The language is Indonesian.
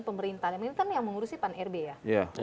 pemerintah ini kan yang mengurus pan irb ya